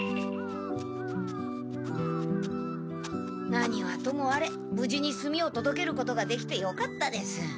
何はともあれぶじに炭をとどけることができてよかったです。